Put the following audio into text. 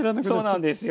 そうなんですよ。